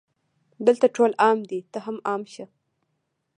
دلته ټول عام دي ته هم عام شه